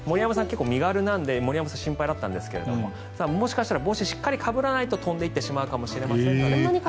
結構身軽なので心配だったんですがもしかしたら帽子をしっかりかぶらないと飛んでいってしまうかもしれません。